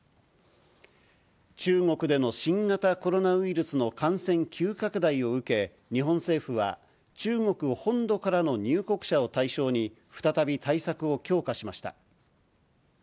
中国での新型コロナウイルスの感染急拡大を受け、日本政府は、中国本土からの入国者を対象に再び対策を強化しました。